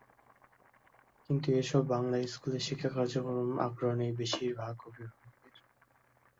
কিন্তু এসব বাংলা স্কুলের শিক্ষা কার্যক্রমে আগ্রহ নেই বেশির ভাগ অভিভাবকের।